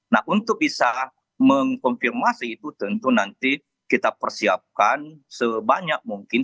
nah untuk bisa mengkonfirmasi itu tentu nanti kita persiapkan sebanyak mungkin